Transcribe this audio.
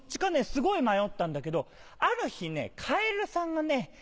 すごい迷ったんだけどある日ねカエルさんがね